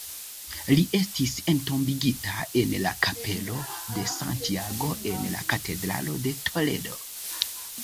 Li estis entombigita en la kapelo de Santiago, en la katedralo de Toledo.